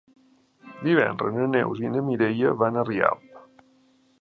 Divendres na Neus i na Mireia van a Rialp.